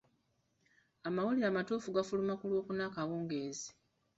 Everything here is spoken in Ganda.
Amawulire amatuufu gafuluma ku Lwokuna akawungeezi.